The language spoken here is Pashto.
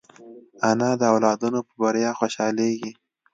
انا د اولادونو په بریا خوشحالېږي